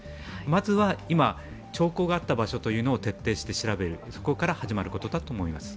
まずは、今、兆候があった場所を徹底して調べる、そこから始まることだと思います。